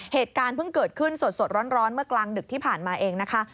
เหตุการณ์เพิ่งเกิดขึ้นสดร้อนเมื่อกลางดึกที่ผ่านมาเองนะคะ